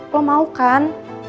lo mau kan